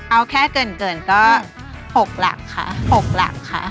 เอาแค่เกินก็๖หลักค่ะ